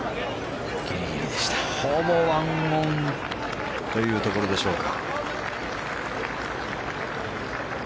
ほぼ１オンというところでしょうか。